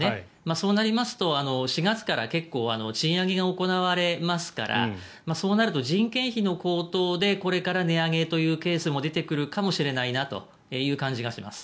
そうなりますと、４月から結構、賃上げが行われますからそうなると人件費の高騰でこれから値上げというケースも出てくるかもしれないなという感じがします。